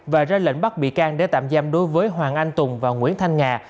và ra lệnh bắt bị can để tạm giam đối với hoàng anh tùng và nguyễn thanh nhà